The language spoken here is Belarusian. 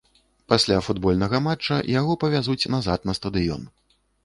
Пасля футбольнага матча яго павязуць назад на стадыён.